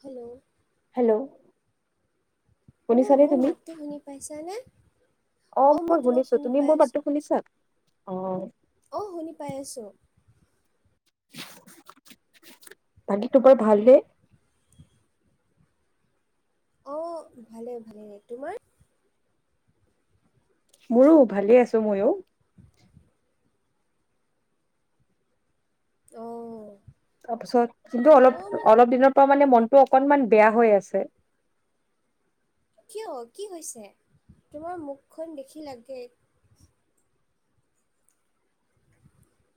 Hello! Hello! অ শুনিছা নে মোৰ তুমি? মাতটো শুনি পাইছানে অ' মই তোমাক শুনিছো। শুনি তুমি পাই মোৰ মাতটো শুনিছা? অঁ। অঁ, শুনি পাই আছোঁ। বাকী তোমাৰ ভাল নে? অ' ভালে ভালে। তোমাৰ? মোৰো ভালে আছোঁ, মইও। অ'। তাৰপিছত কিন্তু মোৰো ম অলপ-অলপ দিনৰ পৰা মানে মনটো অকনমান বেয়া হৈ আছে। কিয় কি হৈছে? তোমাৰ মুখখন দেখি লাগে।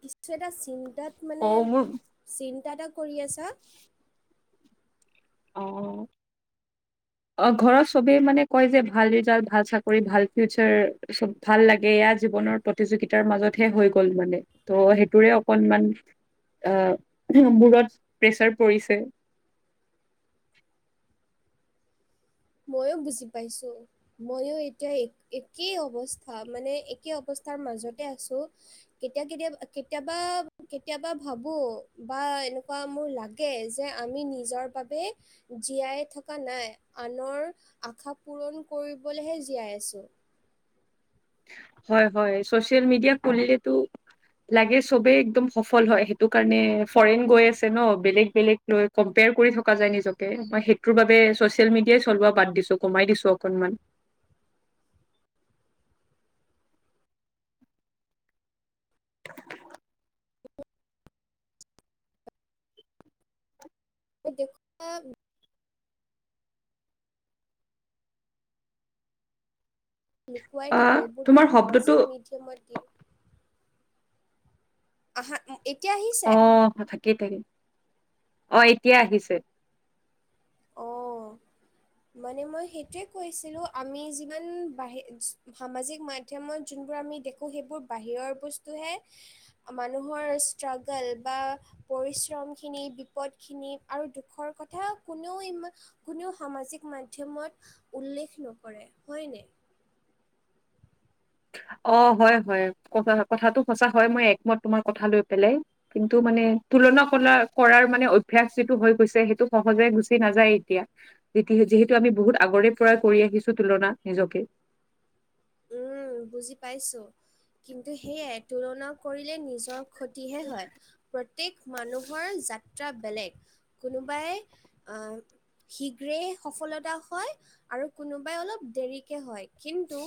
কিছু এটা চিন্তাত মানে, অ' মোৰ চিন্তা এটা কৰি আছা? অঁ। অ', ঘৰত চবেই মানে কয় যে ভাল ৰিজাল্ট, ভাল চাকৰি, ভাল ফিউচাৰ, চব ভাল লাগে ইয়াৰ জীৱনৰ প্ৰতিযোগিতাৰ মাজতহে হৈ গ'ল মানে, ত' সেইটোৰে অকনমান আহ, মূৰত প্ৰেচাৰ পৰিছে। মইয়ো বুজি পাইছোঁ। মইয়ো এতিয়া এক-একেই অৱস্থা মানে একে অৱস্থাৰ মাজতে আছোঁ। কেতিয়া কেতিয়া কেতিয়াবা কেতিয়াবা ভাবোঁ বা এনেকুৱা মোৰ লাগ লাগে যে আমি নিজৰ বাবে জীয়াই থকা নাই। আনৰ আশা পূৰণ কৰিবলৈহে জীয়াই আছোঁ। হয় হয়, ছচিয়েল মিডিয়া খুলিলেতো লাগে, চবেই একদম সফল হয়। সেইটো কাৰণে ফৰেইন গৈ আছে ন, বেলেগ বেলেগ লৈ কম্পেয়াৰ কৰি থকা যায় নিজকে। মই সেইটোৰ বাবে ছচিয়েল মিডিয়াই চলোৱা বাদ দিছোঁ, কমাই দিছো অকনমান। [unintelligible] লুকুৱাই অ থাকে, এইবোৰতো তোমাৰ শব্দটো সামাজিক মাধ্যমৰ দিন। আহা, এতিয়া অ আহিছে। [unintelligible] অ', এতিয়া আহিছে। অ' মানে মই সেইটোৱে কৈছিলোঁ, আমি যিমান বাহি সামাজিক মাধ্যমত যোনবোৰ আমি দেখোঁ সেইবোৰ বাহিৰৰ বস্তুহে। মানুহৰ ষ্ট্ৰাগাল বা পৰিশ্ৰমখিনি, বিপদখিনি, আৰু দুখৰ কথা কোনেও ইমান কোনেও সামাজিক মাধ্যমত উল্লেখ নকৰে, হয়নে? অ হয় হয় ক কথাটো সঁচা হয় মই একমত তোমাৰ কথা লৈ পেলাই। কিন্তু মানে তুলনা কলা কৰাৰ মানে অভ্যাস যিটো হৈ গৈছে সেইটো সহজে গুচি নাযায় এতিয়া। যি যিহেতু আমি বহুত আগৰে পৰাই কৰি আহিছো তুলনা নিজকে। উম বুজি পাইছো, কিন্তু সেয়াই তুলনা কৰিলে নিজৰ ক্ষতিহে হয়, প্ৰত্যেক মানুহৰ জা ট্ৰা বেলেগ কোনোবাই আ শীঘ্ৰেই সফলতা হয় আৰু কোনোবাই অলপ দেৰিকে হয়, কিন্তু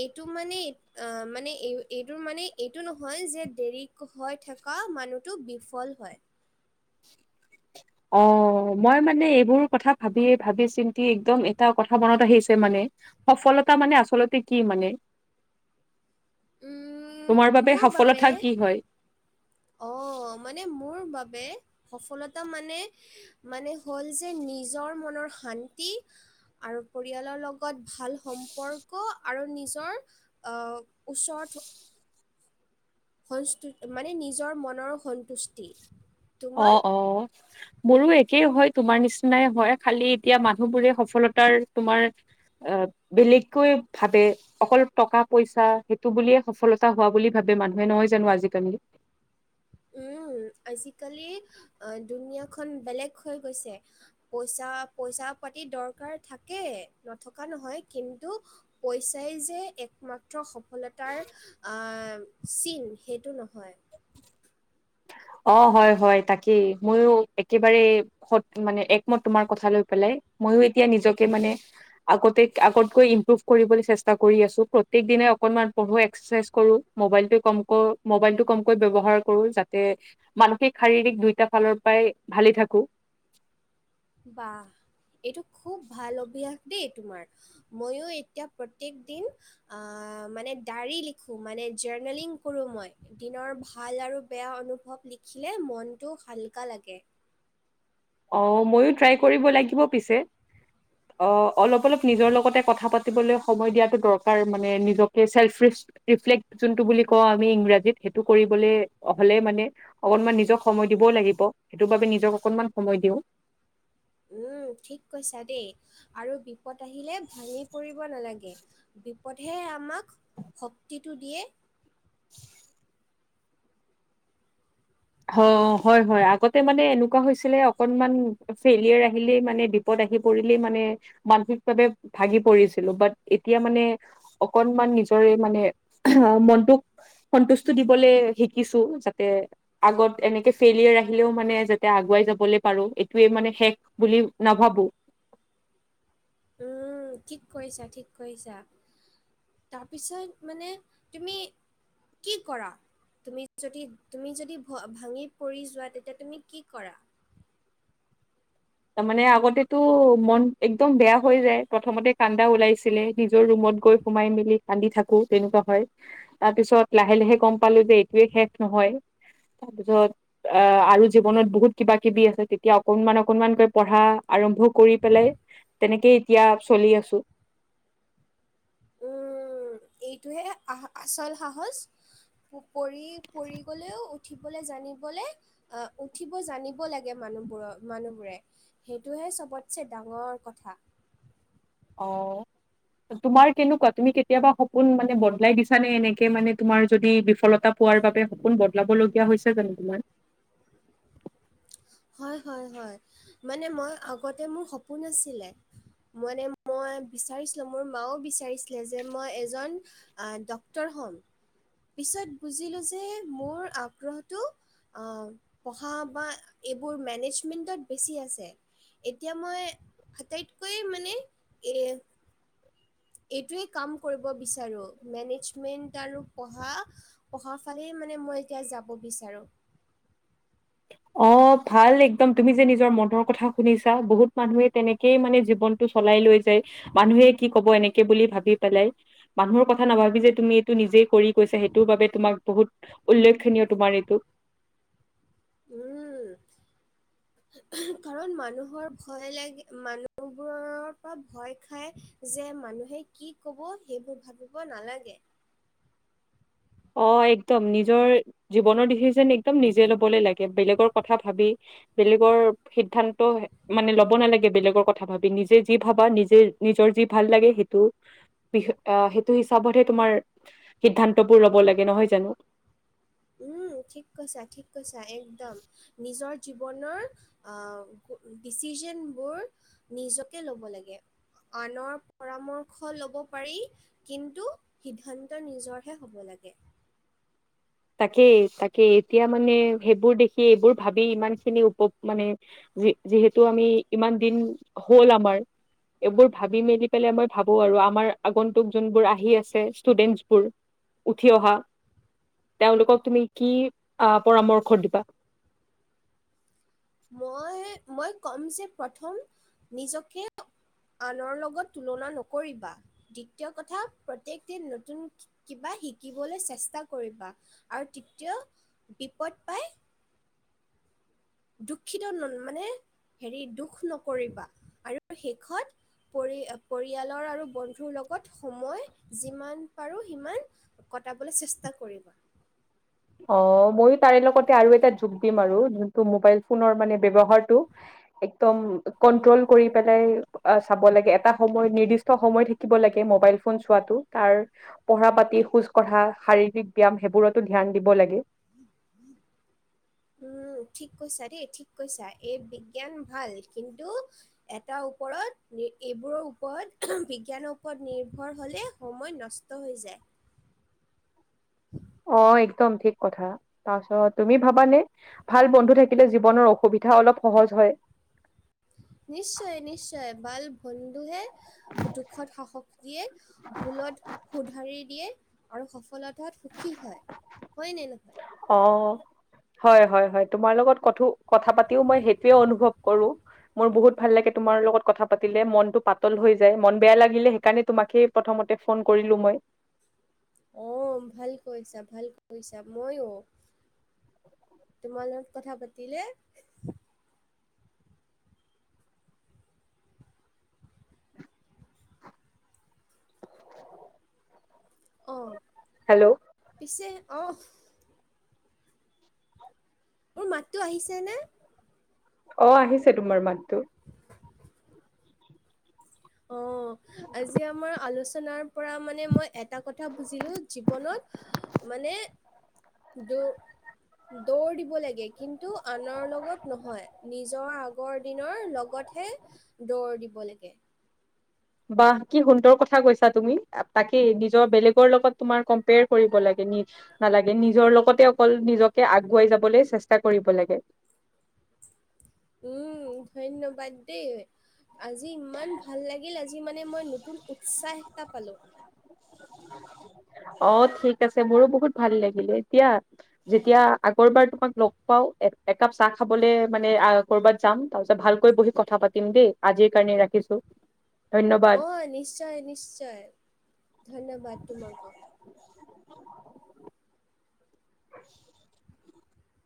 এইটো মানে অ' মানে এই এইটো মানে এইটো নহয় যে দেৰিক হৈ থকা মানুহতো বিফল হয়। অ', মই মানে এইবোৰ কথা ভাবিয়ে ভাবি চিন্তি একদম এটা কথা মনত আহিছে মানে সফলতা মানে আচলতে কি মানে? [inaudible] উম, তোমাৰ বাবে মোৰ সফলতা কি হয়? অ', মানে মোৰ বাবে সফলতা মানে মানে হ'ল যে নিজৰ মনৰ শান্তি আৰু পৰিয়ালৰ লগত ভাল সম্পৰ্ক আৰু নিজৰ অঁ ওচৰত সন্তুষ্ট মানে নিজৰ মনৰ সন্তুষ্টি। অ তোমাৰ অ। মোৰো একেই হয় তোমাৰ নিচিনাই হয় খালি এতিয়া মানুহবোৰে সফলতাৰ তোমাৰ অ' বেলেগকৈ ভাবে। অকল টকা পইচা সেইটো বুলিয়ে সফলতা হোৱা বুলি ভাবে মানুহে, নহয় জানো আজিকালি? উম আজিকালি আ দুুনীয়াখনন বেলেগ হৈ গৈছে। পইচা পইচা পাতি দৰকাৰ থাকে নথকা নহয়, কিন্তু পইচাই যে একমাত্ৰ সফ সফলতাৰ আ চিন সেইটো নহয়। অ', 'হয় 'হয়' তাকেই ময়ো একেবাৰে সত মানে একমত তোমাৰ কথা লৈ পেলাই, মইও এতিয়া নিজকে মানে আগতে আগতকৈ ইমপ্ৰুভ কৰিবলে চেষ্টা কৰি আছো, প্ৰত্যেক দিনাই অকণমান পঢ়ো এক্সাৰচাইজ কৰোঁ। মোবাইলটো কমক মোবাইলটো কমকৈ ব্যৱহাৰ কৰো যাতে মানসিক, শাৰীৰিক দুইটা ফালৰ পৰাই ভালে থাকো। বাহ, এইটো খুব ভাল অভ্যাস দেই তোমাৰ। ময়ো এতিয়া প্ৰত্যেক দিন আ মানে ডায়ৰী লিখো মানে জাৰ্নেলিং কৰোঁ মই। দিনৰ ভাল আৰু বেয়া অনুভৱ লিখিলে মনটো হালকা লাগে। অঁ ময়ো ট্ৰাই কৰিব লাগিব পিছে। অ', অলপ-অলপ নিজৰ লগতে কথা পাতিবলে সময় দিয়াটো দৰকাৰ মানে নিজকে চেলফ ৰিছ ৰিফ্লেক্ট যোনটো বুলি কওঁ আমি ইংৰাজীত সেইটো কৰিবলে হ'লে মানে অকনমান নিজক সময় দিবও লাগিব, সেইটোৰ বাবে নিজক অকনমান সময় দিওঁ। উম, ঠিক কৈছা দেই, আৰু বিপদ আহিলে ভাঙি পৰিব নালাগে। বিপদেহে আমাক শক্তিটো দিয়ে। হ হয় হয় আগতে মানে এনেকুৱা হৈছিলে অকনমান ফেলিয়াৰ আহিলেই মানে বি বিপদ আহি পৰিলেই মানে মানসিকভাৱে ভাগি পৰিছিলো বাট এতিয়া মানে অকনমান নিজৰে মানে মনটোক সন্তুষ্টু দিবলে শিকিছো যাতে আগত এনেকে ফেইলিয়াৰ আহিলেও মানে যাতে আগুৱাই যাবলে পাৰো এইটোৱে মানে শেষ- বুলি নাভাবো। উম' ঠিক কয়িছা ঠিক কয়িছা। তাৰপিছত মানে তুমি কি কৰা? তুমি যদি তুমি যদি ভাঙি পৰি যোৱা তেতিয়া তুমি কি কৰা? তাৰ মানে আগতেতো মন একদম বেয়া হৈ যায়, প্ৰথমতে কান্দা ওলাইছিলে। নিজৰ ৰুমত গৈ সোমাই মেলি কান্দি থাকো। তেনেকুৱা হয়, তাৰ পিছত লাহে-লাহে গম পালো যে এইটোয়ে শেষ নহয়। তাৰপিছত এ' আৰু জীৱনত বহুত কিবা-কিবি আছে তেতিয়া অকনমানক কনমানকে পঢ়া আৰম্ভ কৰি পেলাই, তেনেকেই এতিয়া চলি আছো। উম', এইটোহে আ-আচল সাহজ- পৰি পৰি গলেও উঠিবলে জানিবলে- আহ, উঠিব জানিব লাগে মানুহবোৰৰ মানুহবোৰে সেইটোহে চবতচে ডাঙৰ কথা। অঁ তোমাৰ কেনেকুৱা? তুমি কেতিয়াবা সপোন মানে বদলাই দিছা নে এনেকে মানে তোমাৰ যদি বিফলতা- পোৱাৰ বাবে সপোন বদলাব লগীয়া হৈছে জানো তোমাৰ? হয়-হয়-হয়, মানে মই আগতে মোৰ সপোন আছিলে মানে মই বিচাৰিছিলো মোৰ মাও বিচাৰিছিলে যে মই এজন ড্ক্তৰ হ'ম, পিছত বুজিলো যে মোৰ আগ্ৰহটো আহ পঢ়া বা এইবোৰ মেনেজমেন্টত বেছি আছে এতিয়া মই আটাইতকৈ মানে এ এইটোৱে কাম কৰিব বিচাৰো মেনেজমেন্ট আৰু পঢ়া পঢ়া ফালে মানে মই এতিয়া যাব বিচাৰো। অ' ভাল একদম তুমি যে নিজৰ মনৰ কথা শুনিছা, বহুত মানুহে তেনেকেই মানে জীৱনটো চলাই লৈ যায়, মানুহে কি ক'ব এনেকে বুলি ভাবি পেলাই। মানুহৰ কথা নাভাবি যে তুমি এইটো নিজেই কৰি গৈছা সেইটোৰ বাবে তোমাক বহুত উল্লেখনীয় তোমাৰ এইটো। উম'। কাৰণ মানুহৰ ভয় লাগে মানুহবোৰৰ পৰা ভয় খাই যে মানুহে কি ক'ব, সেইবোৰ ভাবিব নালাগে। অ একদম নিজৰ জীৱনৰ ডিচিচন একদম নিজে ল'বলে লাগে। বেলেগৰ কথা ভাবি, বেলেগৰ সিদ্ধান্ত মানে ল'ব নালাগে বেলেগৰ কথা ভাবি নিজে যি ভাবা নিজে নিজৰ যি ভাল লাগে সেইটো আহ সেইটো হিচাপতহে তোমাৰ সিদ্ধান্তবোৰ লব লাগে নহয় জানো? উম', ঠিক কৈছা-ঠিক কৈছা একদম। নিজৰ জীৱনৰ আ, ডিচিশনবোৰ নিজকে লব লাগে, আনৰ পৰামৰ্শ লব পাৰি কিন্তু সিদ্ধান্ত নিজৰহে হব লাগে। তাকেই-তাকে এতিয়া মানে সেইবোৰ দেখি এইবোৰ ভাবি ইমান খিনি উপ মানে যি- যিহেতু আমি ইমান দিন হ'ল আমাৰ এইবোৰ ভাবি মেলি পেলাই মই ভাবো আৰু, আমাৰ আগন্তুক যোনবোৰ আহি আছে ষ্টুডেন্টছ বোৰ উঠি অহা তেওঁলোকক তুমি কি আহ পৰামৰ্শ দিবা? মই, মই ক'ম যে প্ৰথম, নিজকে আনৰ লগত তুলনা নকৰিবা, দ্বিতীয় কথা প্ৰত্যেক দিন নতুন কিবা শিকিবলৈ চেষ্টা কৰিবা, আৰু তৃতিয়া বিপদ পাই দুখিত, মানে হেৰি দুখ নকৰিবা, আৰু শেষত পৰি পৰিয়ালৰ আৰু বন্ধুৰ লগত সময়, যিমান পাৰো সিমান কটাবলে চেষ্টা কৰিবা। অ', মইয়ো তাৰে লগতে আৰু এটা যোক দিম আৰু যোনটো মোবাইল ফোনৰ মানে ব্যৱহাৰটো এ কদম কণ্ট্ৰল কৰি পেলাই চাব লাগে, এটা সময়ত নিদিষ্ট সময় থাকি ব লাগে ম'বাইল ফোন চোৱাটো, তাৰ পঢ়া পাতি, খোজ কঢ়া, শাৰীৰিক ব্যায়াম, সেইবোৰতো ধ্যান দিব লাগে। [inaudible] উম, ঠিক কৈছা দেই, ঠিক কৈছা, এই বিজ্ঞান ভাল কিন্তু এটাৰ ওপৰত, এইবোৰৰ ওপৰত, বিজ্ঞানৰ ওপৰত নিৰ্ভৰ হ'লে সময় নষ্ট হৈ যায়। অ', একদম ঠিক কথা, তাৰপাছত তুমি ভাবানে ভাল বন্ধু থাকিলে জীৱনৰ অসুবিধা অলপ সহজ হয়। নিশ্চয় নিশ্চয়, ভাল বন্ধু হে দুখত সাহস দিয়ে, ভুলত শুধাৰি দিয়ে। আৰু সফলতাত সুখী হয়, হয় নে নহয়? অ', হয়, হয়, হয়, তোমাৰ লগত কথো কথা পাতিও মই সেইটোৱে অনুভৱ কৰো। মোৰ বহুত ভাল লাগে, তোমাৰ লগত কথা পাতিলে, মনটো পাতল হৈ যায়, মন বেয়া লাগিলে সেইকাৰণে তোমাকে প্ৰথমতে ফোন কৰিলো মই। অ', ভাল কৰিছা, ভাল কৰিছা মইও। তোমাৰ লগত কথা পাতিলে [inaudible] অ'। হেল্ল'। পিছে অ'। মোৰ মাতটো আহিছে নে? অ' আহিছে তোমাৰ মাততো। অ', আজি আমাৰ আলোচনাৰ পৰা মানে মই এটা কথা বুজিলো, জীৱনত, মানে দুহ। দৌৰ দিব লাগে, কিন্তু আনৰ লগত নহয়, নিজৰ আগৰ দিনৰ লগত হে, দৌৰ দিব লাগে। বা কি সুন্দৰ কথা কৈছা তুমি, তাকে নিজৰ বেলেগৰ লগত তোমাৰ কম্পেয়াৰ কৰিব লাগে, নি নালাগে নিজৰ লগতে অকল নিজকে আগুৱাই যাবলৈ চেষ্টা কৰিব লাগে। উম', ধন্যবাদ দেই। আজি ইমান ভাল লাগিল, আজি মানে মই নতুন উৎসাহ এটা পালোঁ। অ' ঠিক আছে, মোৰো বহুত ভাল লাগিলে দিয়া। যেতিয়া আগৰবাৰ তোমাক লগ পাওঁ, একাপ চাহ খাবলে মানে আ কৰ'বাত যাম, তাৰপিছত ভালকৈ বহি কথা পাতিম দেই, আজিৰ কাৰণে ৰাখিছোঁ। অ', নিশ্চয় নিশ্চয়, ধন্যবাদ তোমাকো। [inaudible] [inaudible]